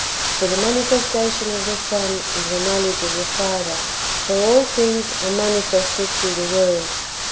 For the manifestation of the Son is the knowledge of the Father; for all things are manifested through the Word.